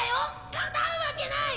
かなうわけない！